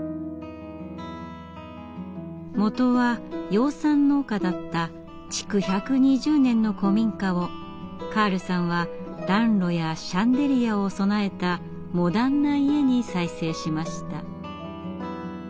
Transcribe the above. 元は養蚕農家だった築１２０年の古民家をカールさんは暖炉やシャンデリアを備えたモダンな家に再生しました。